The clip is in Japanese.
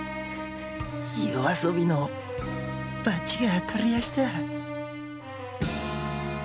夜遊びの罰が当たりやした。